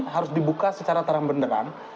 harus dibuka secara terang benderang